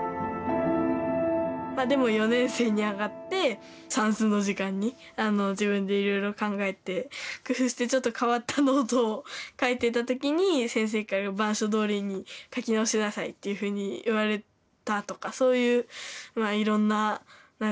でも４年生に上がって算数の時間に自分でいろいろ考えて工夫してちょっと変わったノートを書いてた時に先生からっていうふうに言われたとかそういうまあいろんな何ていうのかな